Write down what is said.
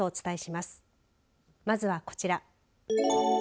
まずはこちら。